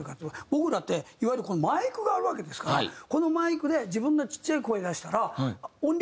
僕なんていわゆるこのマイクがあるわけですからこのマイクで自分がちっちゃい声を出したら。